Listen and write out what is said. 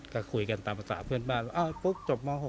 ก็คุยกันตามภาษาเพื่อนบ้านว่าอ้าวปุ๊กจบม๖ไปต่ออะไร